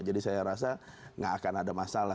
jadi saya rasa nggak akan ada masalah